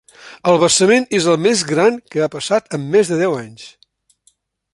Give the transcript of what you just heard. El vessament és el més gran que ha passat en més de deu anys.